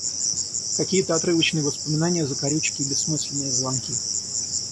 Какие-то отрывочные воспоминания, закорючки и бессмысленные звонки.